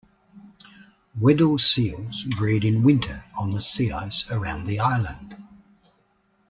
Weddell seals breed in winter on the sea ice around the island.